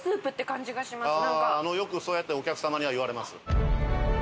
あぁよくそうやってお客様には言われます。